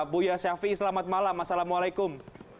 buya syafi'i selamat malam assalamualaikum